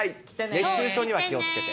熱中症には気をつけて。